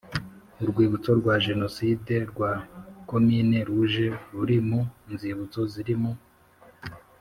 Urwibutso rwa Jenoside rwa Commune rouge ruri mu nzibutso ziri mu